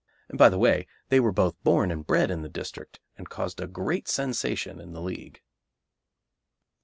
By the way, they were both born and bred in the district, and caused a great sensation in the League.